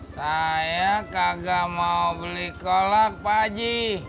saya kagak mau beli kolak pak haji